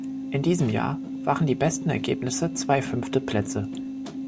In diesem Jahr waren die besten Ergebnisse zwei fünfte Plätze.